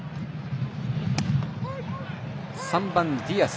３番、ディアス。